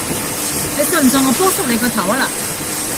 你信唔信我扑濕你個頭呀嗱